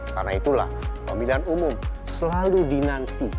karena itulah pemilihan umum selalu dinanti